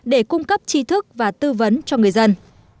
để cung cấp chi thức và tư vấn cho người dân